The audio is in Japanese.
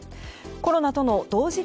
コロナとの同時